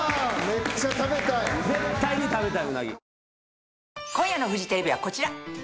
絶対に食べたいうなぎ。